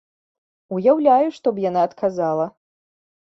Уяўляю, што б яна адказала!